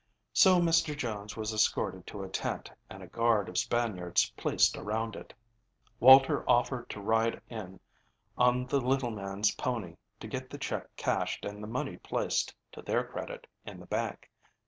So Mr. Jones was escorted to a tent, and a guard of Spaniards placed around it. Walter offered to ride in on the little man's pony to get the check cashed and the money placed to their credit in the bank.